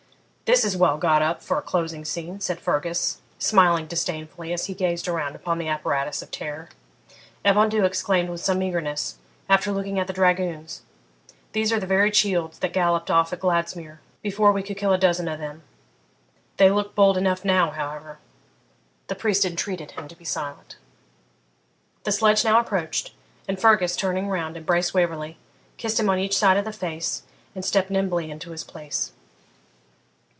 'This is well GOT UP for a closing scene,' said Fergus, smiling disdainfully as he gazed around upon the apparatus of terror. Evan Dhu exclaimed with some eagerness, after looking at the dragoons,' These are the very chields that galloped off at Gladsmuir, before we could kill a dozen o' them. They look bold enough now, however.' The priest entreated him to be silent. The sledge now approached, and Fergus, turning round, embraced Waverley, kissed him on each side of the face, and stepped nimbly into his place.